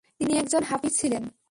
তিনি একজন হাফিজ ছিলেন।